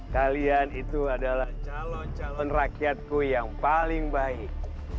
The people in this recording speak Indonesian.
kalian itu adalah calon calon rakyatku yang paling baik